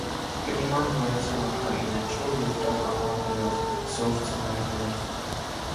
Կլիման մայրցամաքային է՝ չոր և տաք ամառներով, զով ձմեռներով։